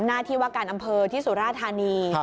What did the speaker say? หน้าที่ว่าการอำเภอที่สุราธานี